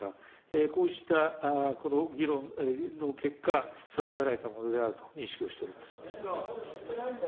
こうしたこの議論の結果、定められたものであると認識をしております。